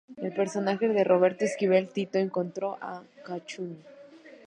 El personaje de Roberto Esquivel "Tito" entró a ¡Cachún!